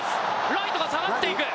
ライトが下がっていく。